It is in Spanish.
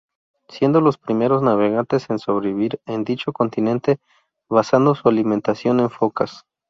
Siendo los primeros navegantes en sobrevivir en dicho continente, basando su alimentación en focas.